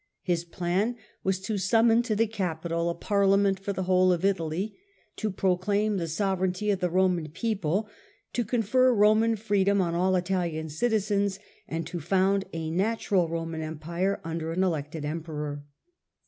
His plan was to summon to the Capitol a parliament for the whole of Italy, to pro claim the sovereignty of the Roman people, to confer Roman freedom on all Italian citizens, and to found a natural Roman Empire under an elected Emperor.